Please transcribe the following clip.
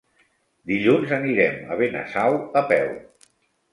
Dilluns anirem a Benasau a peu.